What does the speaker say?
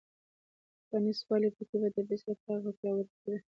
پرانېست والی په کې په تدریج سره پراخ او پیاوړی کېده.